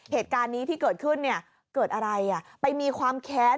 เหตุการณ์นี้ที่เกิดขึ้นเนี่ยเกิดอะไรอ่ะไปมีความแค้น